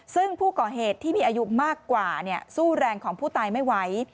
ซึ่งผู้ก่อเหตุที่มีอายุมากกว่าสู้แรงของผู้ตายไม่ไหว